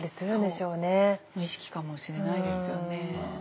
無意識かもしれないですよね。